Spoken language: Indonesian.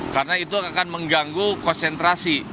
karena itu akan mengganggu konsentrasi